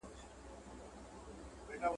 دا ازادي په هیڅ قیمت نه اخیستل کېږي.